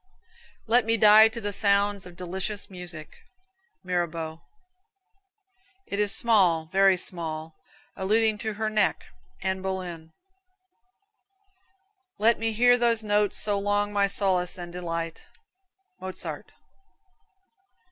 "Let me die to the sounds of delicious music." Mirabeau. "It is small, very small," alluding to her neck. Anna Boleyn. "Let me hear those notes so long my solace and delight." Mozart.